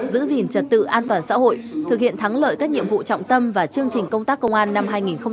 giữ gìn trật tự an toàn xã hội thực hiện thắng lợi các nhiệm vụ trọng tâm và chương trình công tác công an năm hai nghìn hai mươi ba